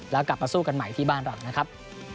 แล้วกลับมาสู้กันใหม่ที่บ้านเรานะครับ